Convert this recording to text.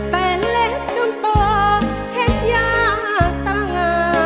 แต่เล็กจนตกเห็นยาตรง